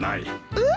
えっ？